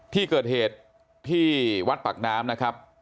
ที่เกิดเหตุที่วัดปากน้ำนะครับ